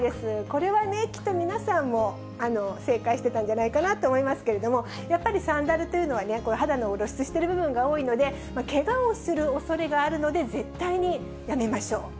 これはきっと皆さんも正解してたんじゃないかなと思いますけれども、やっぱりサンダルというのはね、肌の露出している部分が多いので、けがをするおそれがあるので、絶対にやめましょう。